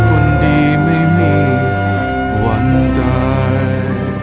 คนดีไม่มีวันตาย